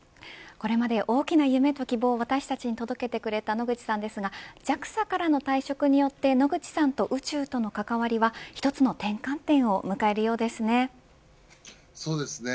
これまで大きな夢と希望を私たちに届けてくれた野口さんですがＪＡＸＡからの退職によって野口さんと宇宙との関わりは一つの転換点を迎えるようですね。